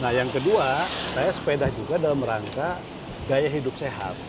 nah yang kedua saya sepeda juga dalam rangka gaya hidup sehat